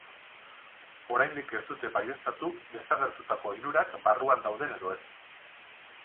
Oraindik ez dute baieztatu desagertutako hirurak barruan dauden edo ez.